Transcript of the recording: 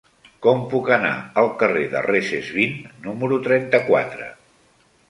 Com puc anar al carrer de Recesvint número trenta-quatre?